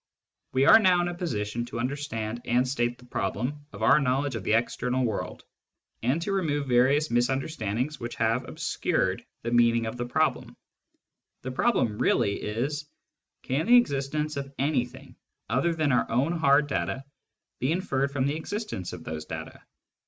We are now in a position to understand and state the problem of our knowledge of the external world, and to remove various misunderstandings which have obscured the meaning of the problem. The problem really is : Gin the existence of anything other than our own hard data be inferred from the existence of those data